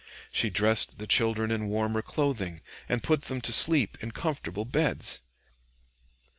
She dressed the children in warmer clothing and put them to sleep in comfortable beds.